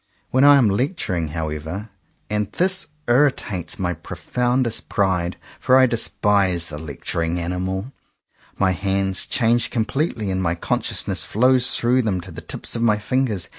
When I am lecturing however — and this irritates my profoundest pride, for I despise the lecturing animal — my hands change completely and my consciousness flows through them to the tips of my fingers.